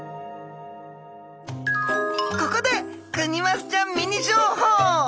ここでクニマスちゃんミニ情報。